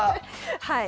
はい。